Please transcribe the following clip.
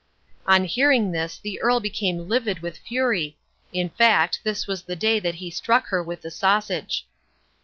On hearing this the Earl became livid with fury, in fact this was the day that he struck her with the sausage.